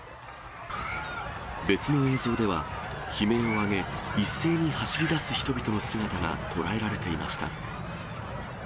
別の映像では、悲鳴を上げ、一斉に走りだす人々の姿が捉えられていました。